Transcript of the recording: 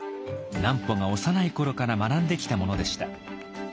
南畝が幼い頃から学んできたものでした。